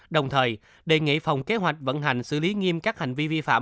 đồng thời đề nghị phòng kế hoạch vận hành xử lý nghiêm các hành vi vi phạm